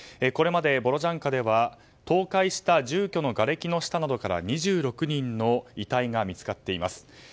これまでボロジャンカでは倒壊した住居のがれきの下などから２６人の遺体が見つかっています。